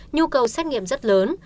nhu cầu xét nghiệm rất lớn